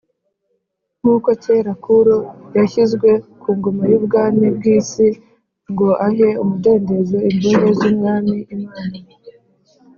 . Nk’uko kera Kuro yashyizwe ku ngoma y’ubwami bw’isi ngo ahe umudendezo imbohe z’Umwami (Imana),